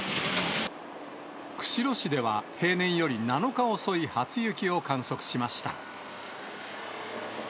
釧路市では、平年より７日遅い初雪を観測しました。